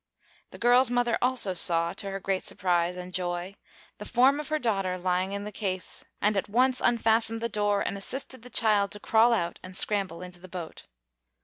The girl's mother also saw, to her great surprise and joy, the form of her daughter lying in the glass case, and at once unfastened the door and assisted the child to crawl out and scramble into the boat.